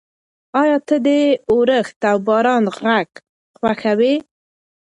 ایا ته د اورښت او باران غږ خوښوې؟